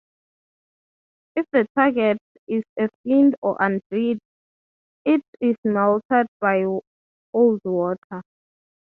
If the target is a fiend or undead, it is melted by hold water.